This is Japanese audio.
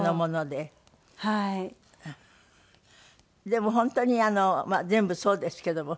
でも本当に全部そうですけども。